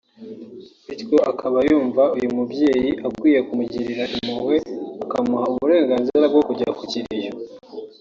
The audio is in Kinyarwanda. bityo akaba yumva uyu mubyeyi akwiye kumugirira impuhwe akamuha uburenganzira bwo kujya ku kiriyo